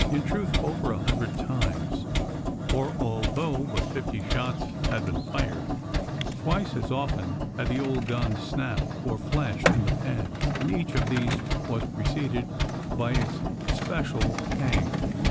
In truth over a hundred times: for although but fifty shots had been fired, twice as often had the old guns snapped or flashed in the pan; and each of these was preceded by its especial pang.